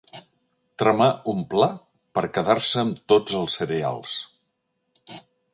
Tramar un pla per quedar-se amb tots els cereals.